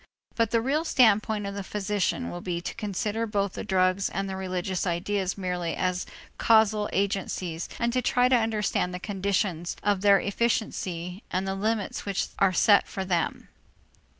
But the real standpoint of the physician will be to consider both the drugs and the religious ideas merely as causal agencies and to try to understand the conditions of their efficiency and the limits which are set for them.